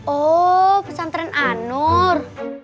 oh pesantren anur